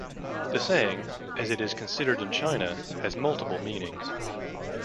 The saying, as it is considered in China, has multiple meanings.